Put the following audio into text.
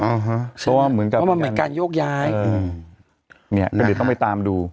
เพราะว่าเหมือนกับว่ามันเหมือนการโยกย้ายอืมเนี้ยก็เดี๋ยวต้องไปตามดู